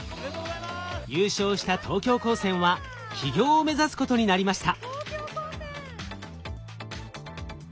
優勝した東京高専は起業を目指すことになりました。